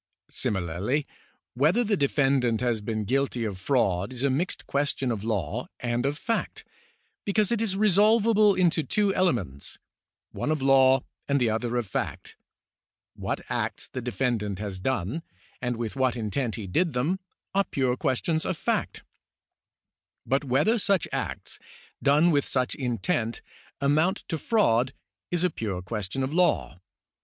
Similarly, whether the defendant has been guilty of fraud is a mixed question of law and of fact, because it is resolvable into two elements, one of law and the other of fact ; what acts the defendant has done, and with what intent he did them, are pure questions of fact ; but whether such acts, done with such an intent, amount to fraud is a pure question of law.